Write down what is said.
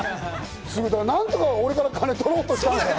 何とか俺から金取ろうとしてる。